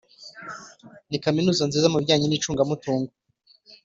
Ni kaminuza nziza mu bijyanye n’icyungamutungo